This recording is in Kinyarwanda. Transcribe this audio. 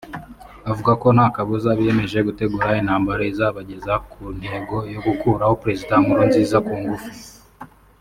avuga ko nta kabuza biyemeje gutegura intambara izabageza ku ntego yo gukuraho Perezida Nkurunziza ku ngufu